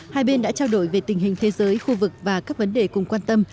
hai bên đã trao đổi về tình hình thế giới khu vực và các vấn đề cùng quan tâm